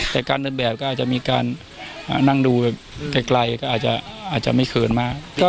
แต่การเดินแบบก็อาจจะมีการนั่งดูแบบไกลก็อาจจะไม่เขินมาก